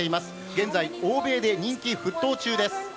現在欧米で人気沸騰中です。